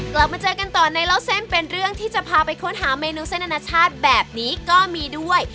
กลับมาเจอกันต่อในเล่าเส้นเป็นเรื่องที่จะพาไปค้นหาเมนูเส้นอนาชาติแบบนี้ก็มีด้วย